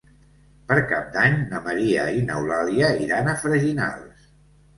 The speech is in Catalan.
Per Cap d'Any na Maria i n'Eulàlia iran a Freginals.